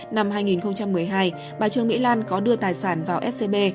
năm hai nghìn một mươi hai bà trương mỹ lan có đưa tài sản vào scb